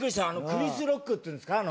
クリス・ロックっていうんですか？